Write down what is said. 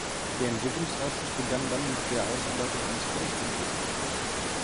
Der Entwicklungsausschuss begann dann mit der Ausarbeitung eines Berichtsentwurfs.